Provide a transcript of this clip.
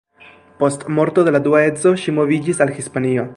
Post morto de la dua edzo ŝi moviĝis al Hispanio.